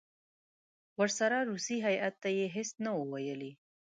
ورسره روسي هیات ته یې هېڅ نه وو ویلي.